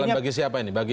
kegagalan bagi siapa ini